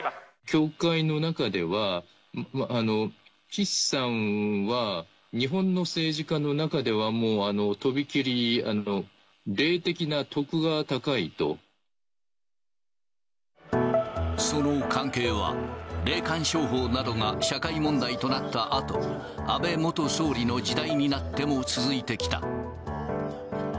教会の中では、岸さんは日本の政治家の中では、その関係は、霊感商法などが社会問題となったあとも、安倍元総理の時代になっても続いてきた。